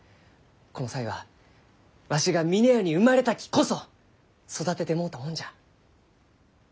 この才はわしが峰屋に生まれたきこそ育ててもろうたもんじゃ。